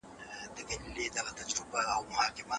د محمدشاه خان ورور دوست محمدخان هم برخه واخیسته.